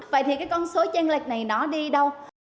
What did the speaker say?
vậy thì cái con số tranh lệch này nó đi đâu